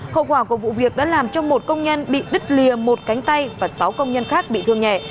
hậu quả của vụ việc đã làm cho một công nhân bị đứt lìa một cánh tay và sáu công nhân khác bị thương nhẹ